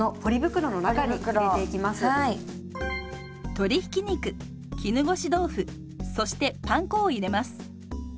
鶏ひき肉絹ごし豆腐そしてパン粉を入れます。